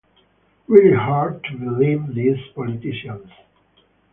Really hard to believe these politicians.